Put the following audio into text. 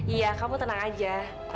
iya kamu tenang aja